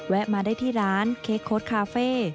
มาได้ที่ร้านเค้กโค้ดคาเฟ่